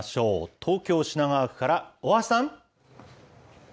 東京・品川区から、大橋さん。